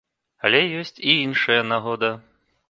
Але ёсць і іншая нагода!